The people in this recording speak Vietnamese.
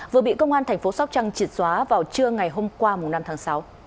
vừa bị công an tp sóc trăng trịt xóa vào trưa ngày hôm qua năm tháng sáu